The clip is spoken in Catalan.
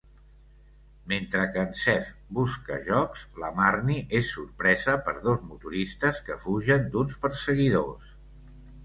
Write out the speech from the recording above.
Mentre que en Zeph busca jocs, la Marnie és sorpresa per dos motoristes que fugen d'uns perseguidors.